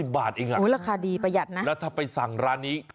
๓๐บาทอีกหรอแล้วถ้าไปสั่งร้านนี้คุณเจ้าของร้านแนะนำว่าอู๋ราคาดีประหยัดนะ